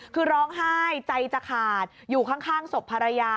คือร้องไห้ใจจะขาดอยู่ข้างศพภรรยา